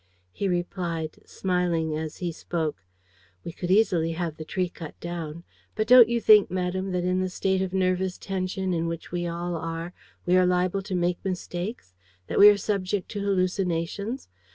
"He replied, smiling as he spoke: "'We could easily have the tree cut down. But don't you think, madame, that in the state of nervous tension in which we all are we are liable to make mistakes; that we are subject to hallucinations?